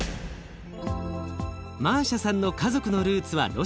マーシャさんの家族のルーツはロシア。